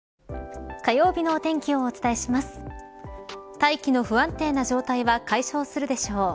大気の不安定な状態は解消するでしょう。